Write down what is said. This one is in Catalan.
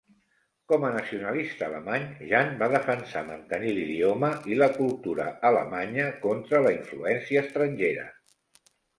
Com a nacionalista alemany, Jahn va defensar mantenir l'idioma i la cultura alemanya contra la influència estrangera.